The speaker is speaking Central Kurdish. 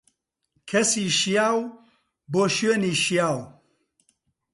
کەسی شیاو، بۆ شوێنی شیاو.